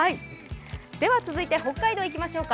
続いて北海道いきましょうか。